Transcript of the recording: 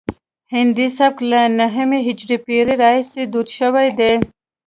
هندي سبک له نهمې هجري پیړۍ راهیسې دود شوی دی